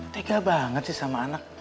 tega banget sih sama anak